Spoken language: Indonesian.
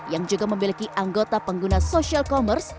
yang juga memiliki anggota pengguna social commerce